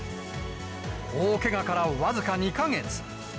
大けがから僅か２か月。